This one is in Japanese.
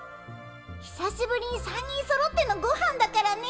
ひさしぶりに３人そろってのごはんだからね